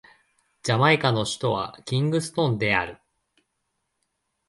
ジャマイカの首都はキングストンである